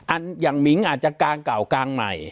อย่างมิ้งอาจจะกางเก่ากลางใหม่